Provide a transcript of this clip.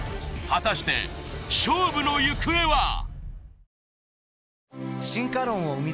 果たして勝負の行方は！？